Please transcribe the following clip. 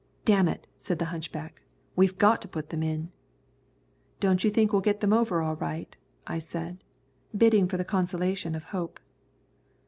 "Damn it!" said the hunchback, "we've got to put 'em in." "Don't you think we'll get them over all right?" said I, bidding for the consolation of hope.